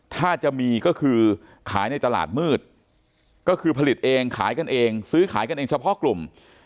ถ้าจะมีก็คือขายในตลาดมืดก็คือผลิตเองขายกันเองซื้อขายกันเองเฉพาะกลุ่ม